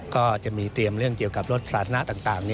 ก็จะมีเตรียมเรื่องเกี่ยวกับรถสาธารณะต่าง